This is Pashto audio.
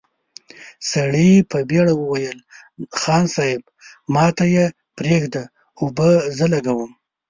سړي په بېړه وويل: خان صيب، ماته يې پرېږده، اوبه زه لګوم!